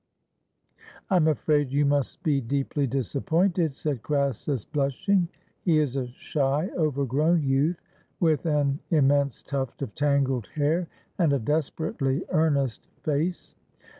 "I'm afraid you must be deeply disappointed," said Crassus, blushing — he is a shy, overgrown youth with an immense tuft of tangled hair and a desperately earnest face.